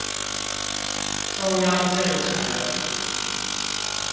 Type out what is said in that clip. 中央政權